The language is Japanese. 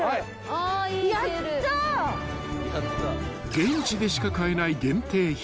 ［現地でしか買えない限定品］